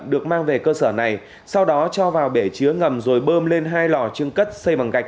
được mang về cơ sở này sau đó cho vào bể chứa ngầm rồi bơm lên hai lò trưng cất xây bằng gạch